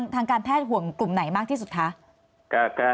ทางการแพทย์ห่วงกลุ่มไหนมากที่สุดคะ